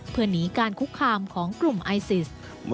เพื่อหนีการคุกคามของกลุ่มไอซิส